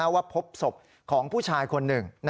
ว่าพบศพของผู้ชายคนหนึ่ง